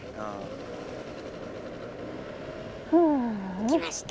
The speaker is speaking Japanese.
行きました。